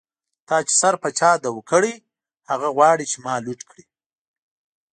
تا چی سر په چا دو کړۍ، هغه غواړی چی ما لوټ کړی